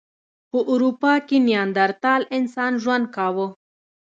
په اروپا کې نیاندرتال انسان ژوند کاوه.